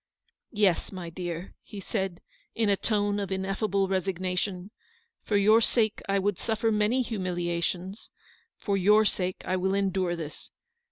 " Yes, my dear/' he said, in a tone of ineffable resignation, "for your sake I would suffer many humiliations; for your sake I will endure this.